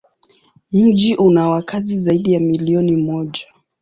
Mji una wakazi zaidi ya milioni moja.